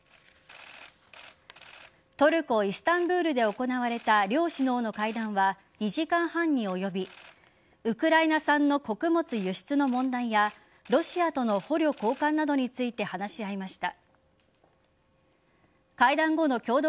トルコ・イスタンブールで行われた両首脳の会談は２時間半に及びウクライナ産の穀物輸出の問題やロシアとの捕虜交換などについて話し合いました。